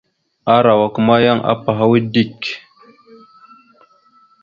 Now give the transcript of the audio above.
Arawak ma yan apahwa dik.